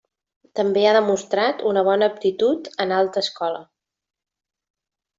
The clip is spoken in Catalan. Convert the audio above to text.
També ha demostrat una bona aptitud en Alta Escola.